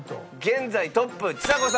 現在トップはちさ子さん。